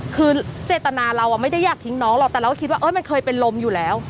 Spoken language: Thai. คือเจตนาเราไม่ได้อยากทิ้งน้องหรอกแต่เราก็คิดว่ามันเคยเป็นลมอยู่แล้ว